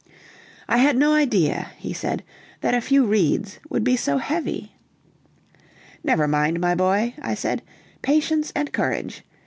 "I had no idea," he said, "that a few reeds would be so heavy." "Never mind, my boy," I said, "patience and courage!